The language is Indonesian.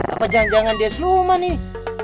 apa jangan jangan dia slo ma nih